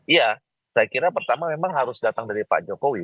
iya saya kira pertama memang harus datang dari pak jokowi